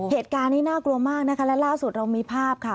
เหตุการณ์นี้น่ากลัวมากนะคะและล่าสุดเรามีภาพค่ะ